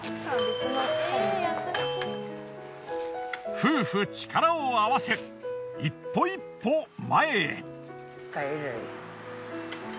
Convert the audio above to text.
夫婦力を合わせ一歩一歩前へ。